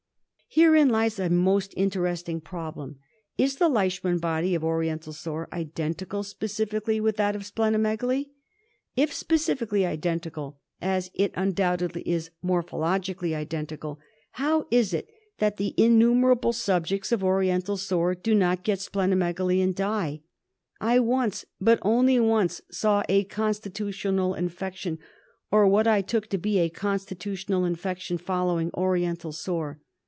Herein lies a most interesting problem. Is the Leishman body of Oriental Sore identical specifically with that of spleno megaly ? If specifically identical,, as it undoubtedly is morphologically identical, how is it that the innumerable subjects of Oriental Sore do not get spleno megaly and die ? I once, but only once, saw a constitutional infection, or what I took to be constitu tional infection, follow Oriental Sore.